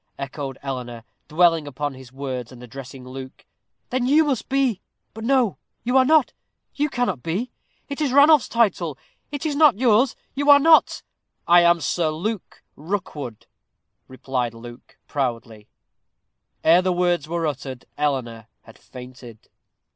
echoed Eleanor, dwelling upon his words, and addressing Luke "then you must be but no, you are not, you cannot be it is Ranulph's title it is not yours you are not " "I am Sir Luke Rookwood," replied Luke, proudly. Ere the words were uttered Eleanor had fainted.